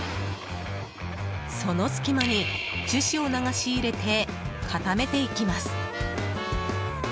その隙間に樹脂を流し入れて固めていきます。